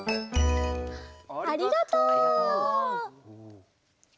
ありがとう！